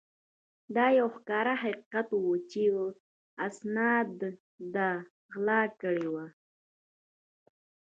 دا یو ښکاره حقیقت وو چې اسناد ده غلا کړي ول.